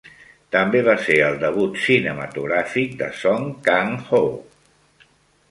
També va ser el debut cinematogràfic de Song Kang-ho.